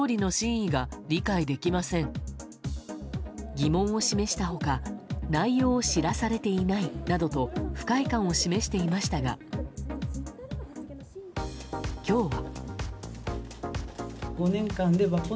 疑問を示した他内容を知らされていないなどと不快感を示していましたが今日は。